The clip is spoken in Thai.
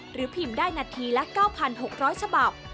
พิมพ์ได้นาทีละ๙๖๐๐ฉบับ